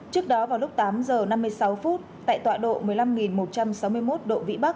trước đó vào lúc tám giờ năm mươi sáu phút tại tọa độ một mươi năm một trăm sáu mươi một độ vĩ bắc một trăm linh tám độ vĩ bắc